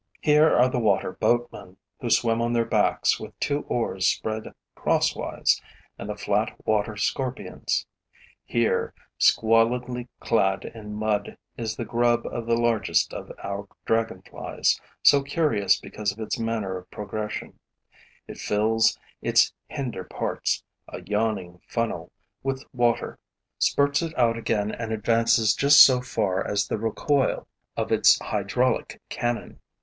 Here are the water boatmen, who swim on their backs with two oars spread cross wise, and the flat water scorpions; here, squalidly clad in mud, is the grub of the largest of our dragonflies, so curious because of its manner of progression: it fills its hinder parts, a yawning funnel, with water, spurts it out again and advances just so far as the recoil of its hydraulic cannon.